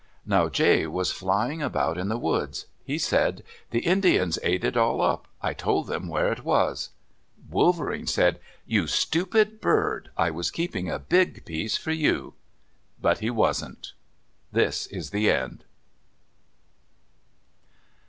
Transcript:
Now Jay was flying about in the woods. He said, "The Indians ate it all up. I told them where it was." Wolverene said, "You stupid bird! I was keeping a big piece for you!" But he wasn't. This is the end.